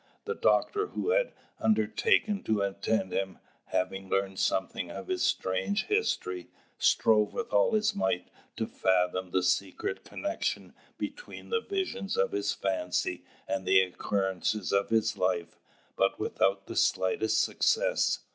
The doctor who had undertaken to attend him, having learned something of his strange history, strove with all his might to fathom the secret connection between the visions of his fancy and the occurrences of his life, but without the slightest success.